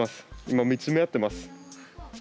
今見つめ合ってます。